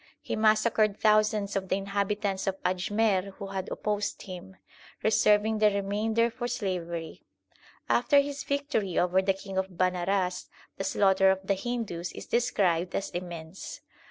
xlii THE SIKH RELIGION He massacred thousands of the inhabitants of Ajmer who had opposed him, reserving the remainder for slavery. After his victory over the King of Banaras the slaughter of the Hindus is described as immense.